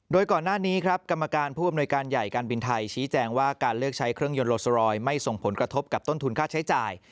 โดยก่อนหน้านี้ครับกรรมการผู้อำนวยการใหญ่การบินไทยชี้แจงว่าการเลือกใช้เครื่องยนต์โลโซรอยไม่ส่งผลกระทบกับต้นทุนค่าใช้จ่าย